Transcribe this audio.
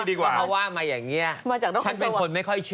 พี่คะไม่ใช่ล่ะบางอย่าง